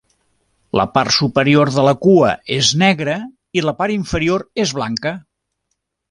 La part superior de la cua és negra i la part inferior és blanca.